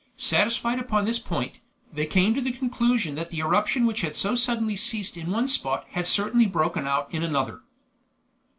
Satisfied upon this point, they came to the conclusion that the eruption which had so suddenly ceased in one spot had certainly broken out in another.